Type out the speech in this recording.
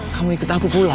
kamu ikut aku pulang